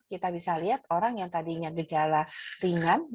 kita bisa lihat orang yang tadinya gejala ringan